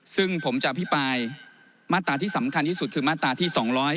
ซึ่งผมจะอภิปรายมาตราที่สำคัญที่สุดคือมาตราที่๒๕